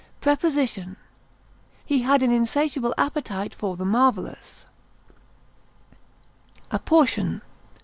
Preposition: He had an insatiable appetite for the marvellous. APPORTION.